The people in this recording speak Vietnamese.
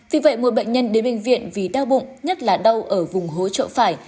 vì vậy mỗi bệnh nhân đến bệnh viện vì đau bụng nhất là đau ở vùng hố trộn phải